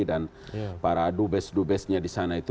dan para dubes dubesnya di sana itu